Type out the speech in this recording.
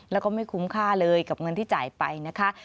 แล้วก็ไม่คุ้มค่าเลยกับเงินที่จ่ายไปนะคะ